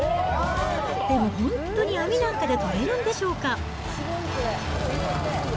でも本当に網なんかで取れるんでしょうか？